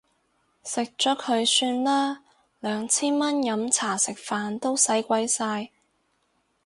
食咗佢算啦，兩千蚊飲茶食飯都使鬼晒